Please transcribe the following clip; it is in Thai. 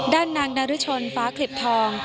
ด้านนางดารุชนฟ้าคลิบทอง